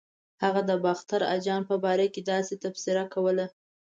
هغه د باختر اجان په باره کې داسې تبصره کوله.